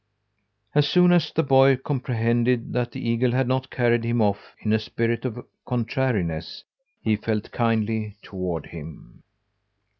As soon as the boy comprehended that the eagle had not carried him off in a spirit of contrariness, he felt kindly toward him.